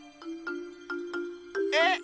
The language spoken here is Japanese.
えっ？